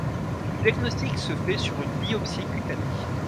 Le diagnostic se fait sur une biopsie cutanée.